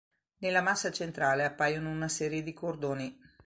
Nella massa centrale appaiono una serie di cordoni.